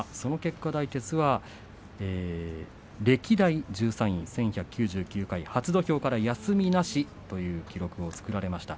その結果、大徹は歴代１３位１１９９回初土俵から休みなしという記録を作られました。